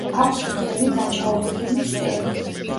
აქვს ბრტყელი დაჭაობებული ფსკერი.